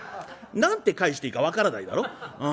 何て返していいか分からないだろ？